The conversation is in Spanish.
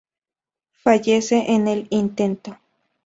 Fallece en el intento.